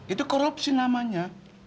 itu korupsi namanya